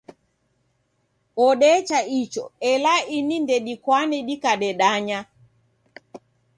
Odecha icho, ela ini ndedikwane dikadedanya